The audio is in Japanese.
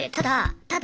ただ！